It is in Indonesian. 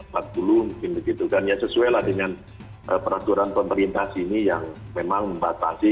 dua puluh lima empat puluh mungkin begitu kan ya sesuai dengan peraturan pemerintah sini yang memang membatasi